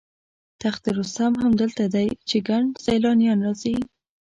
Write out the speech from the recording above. تخت رستم هم دلته دی چې ګڼ سیلانیان راځي.